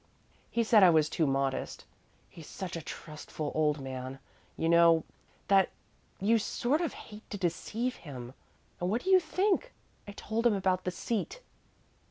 "He said I was too modest. He's such a trustful old man, you know, that you sort of hate to deceive him. And what do you think? I told him about the seat!"